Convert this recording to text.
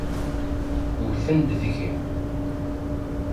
Wten-d deg-i.